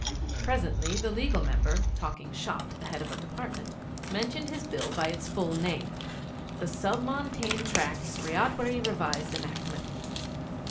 Presently, the Legal Member, talking 'shop' to the Head of a Department, mentioned his Bill by its full name 'The Sub Montane Tracts Ryotwary Revised Enactment.'